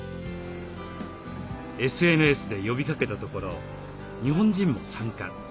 ＳＮＳで呼びかけたところ日本人も参加。